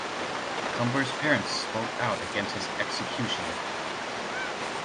Cumbers' parents spoke out against his execution.